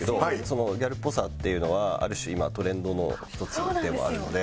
そのギャルっぽさっていうのはある種今トレンドの１つでもあるので。